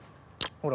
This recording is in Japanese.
ほら。